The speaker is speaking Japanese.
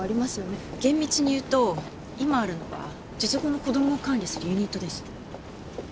厳密に言うと今あるのは術後の子供を管理するユニットです。